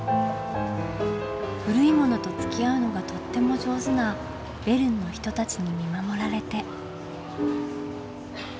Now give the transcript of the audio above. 古いものとつきあうのがとっても上手なベルンの人たちに見守られて。